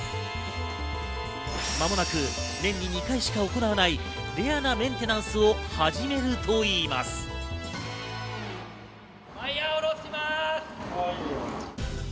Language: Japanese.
間もなく年に２回しか行わないレアなメンテナンスを始めるといいます。